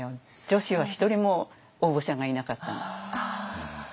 女子は１人も応募者がいなかった最初ね。